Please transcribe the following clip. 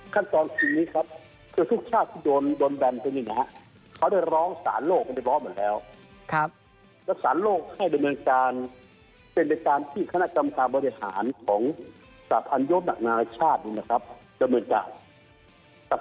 ขั้นตอนที่นี้ครับคือทุกชาติที่โดนแบรนด์ตรงนี้นะครับ